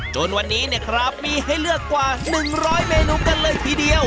จนวันนี้เนี่ยครับมีให้เลือกกว่า๑๐๐เมนูกันเลยทีเดียว